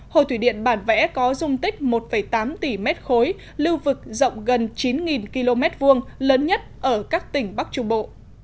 hồ thủy điện bản vẽ có dung tích một tám tỷ m ba lưu vực rộng gần chín km hai lớn nhất ở các tỉnh bắc trung bộ